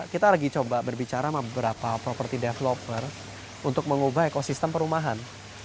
kita lagi coba berbicara sama beberapa property developer untuk mengubah ekosistem perumahan